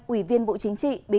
ủy viên bộ chính trị